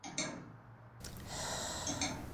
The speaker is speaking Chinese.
经过接近一年的治疗